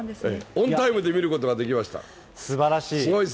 オンタイムで見ることができました。